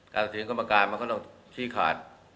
เสียงกรรมการมันก็ต้องชี้ขาด